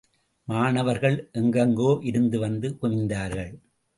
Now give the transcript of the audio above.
மாணவர்கள் எங்கெங்கோ இருந்து வந்து குவிந்தார்கள்.